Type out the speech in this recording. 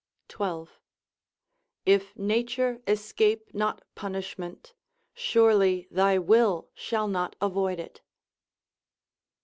—12. If nature escape not punishment, surely thy will shall not avoid it.